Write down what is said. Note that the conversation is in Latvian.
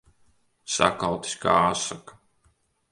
Sakaltis kā asaka.